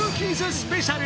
スペシャル